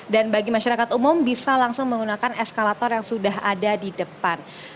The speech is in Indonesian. dan bagi masyarakat umum bisa langsung menggunakan eskalator yang sudah ada di depan